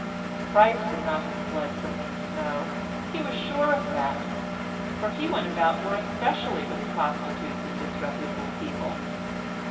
Christ would not have fled from Miss Snow; he was sure of that, for He went about more especially with prostitutes and disreputable people.